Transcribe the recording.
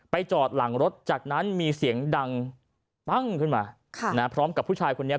จอดหลังรถจากนั้นมีเสียงดังปั้งขึ้นมาพร้อมกับผู้ชายคนนี้